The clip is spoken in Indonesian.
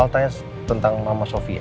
al tanya tentang mama sophia